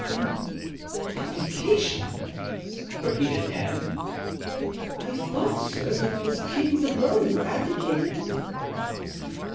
"An abdication?" repeated Anne; "I thought, sir, that it was kings alone who abdicated!"